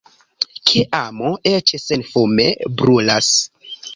Ke amo, eĉ senfume, brulas.